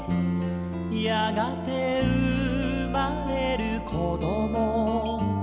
「やがてうまれるこどもたち」